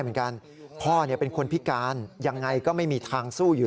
เหมือนกันพ่อเนี่ยเป็นคนพิการยังไงก็ไม่มีทางสู้อยู่